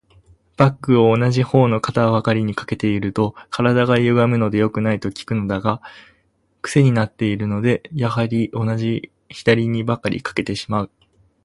バッグを同じ方の肩ばかりに掛けていると、体がゆがむので良くない、と聞くのだが、クセになっているので、やはり同じ左にばかり掛けてしまう。